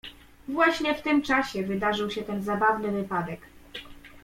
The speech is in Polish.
"Właśnie w tym czasie wydarzył się ten zabawny wypadek."